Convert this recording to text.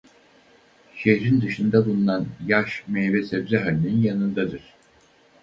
Şehrin dışında bulanan yaş meyve-sebze halinin yanındadır.